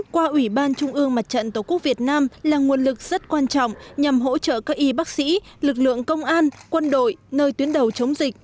qua ủy ban trung ương mặt trận tổ quốc việt nam là nguồn lực rất quan trọng nhằm hỗ trợ các y bác sĩ lực lượng công an quân đội nơi tuyến đầu chống dịch